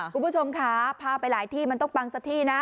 คุณผู้ชมค่ะพาไปหลายที่มันต้องปังสักที่นะ